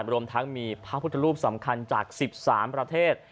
รวมทั้งมีพระพุทธรูปสำคัญจาก๑๓ประเทศ